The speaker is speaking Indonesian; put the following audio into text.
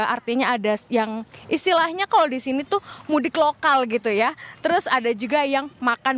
artinya ada yang istilahnya kalau di sini tuh mudik lokal gitu ya terus ada juga yang makan